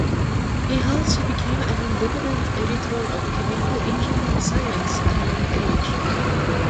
He also became an independent Editor of Chemical Engineering Science at a young age.